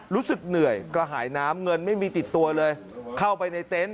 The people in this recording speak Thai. รู้สึกเหนื่อยกระหายน้ำเงินไม่มีติดตัวเลยเข้าไปในเต็นต์